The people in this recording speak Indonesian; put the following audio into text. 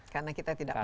karena kita tidak patuh